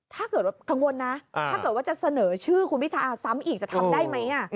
ถ้าเกิดว่ากังวลนะถ้าเกิดว่าจะเสนอชื่อคุณพิทาซ้ำอีกจะทำได้ไหม